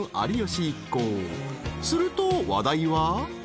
［すると話題は］